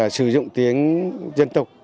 sử dụng tiếng dân tộc